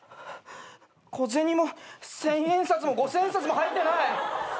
小銭も千円札も五千円札も入ってない！